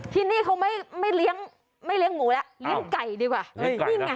ที่นี่เขาไม่ไม่เลี้ยงไม่เลี้ยงหมูแล้วเลี้ยงไก่ดีกว่านี่ไง